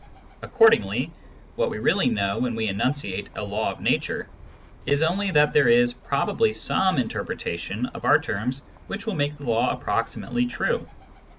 Accordingly, what we really know when we enunciate a law of nature is only that there is probably some interpretation of our terms which will make the law approximately true.